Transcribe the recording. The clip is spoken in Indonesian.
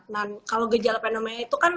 nah kalau gejala fenomena itu kan